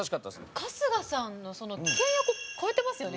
春日さんが倹約を超えてますよね